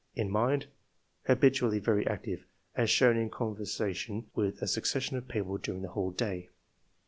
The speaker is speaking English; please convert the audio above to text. In mind — Habitually very active, as shown in con versation with a succession of people during the whole day."